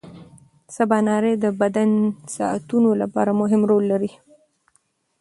سباناري د بدن ساعتونو لپاره مهمه رول لري.